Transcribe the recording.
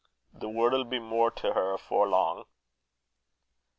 The word'll be mair to her afore lang."